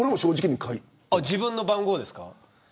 自分の番号ですか。